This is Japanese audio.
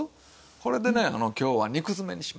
これでね今日は肉づめにします。